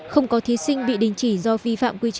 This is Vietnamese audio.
không có thí sinh bị đình chỉ do vi phạm quy định